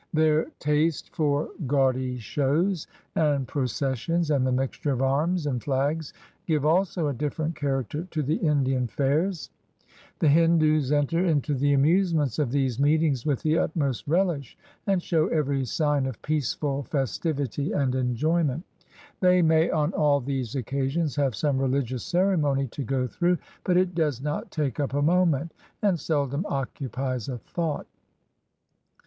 Their taste for gaudy shows and processions and the mixture of arms and flags give also a different character to the Indian fairs. The Hindus enter into the amusements of these meetings with the utmost relish, and show every sign of peaceful festivity and enjoyment. They may, on all these occasions, have some religious ceremony to go through, but it does not take up a moment, and seldom occupies a thought.